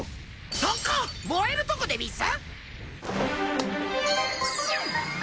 そこ燃えるとこでうぃす！？